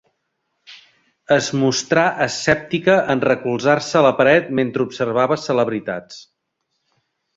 Es mostrar escèptica en recolzar-se a la paret mentre observava celebritats.